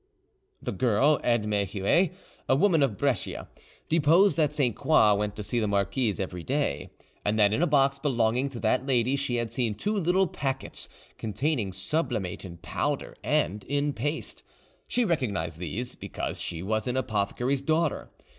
The girl Edme Huet, a woman of Brescia, deposed that Sainte Croix went to see the marquise every day, and that in a box belonging to that lady she had seen two little packets containing sublimate in powder and in paste: she recognised these, because she was an apothecary's daughter.